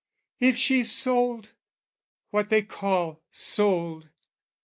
If she sold...what they call, sold...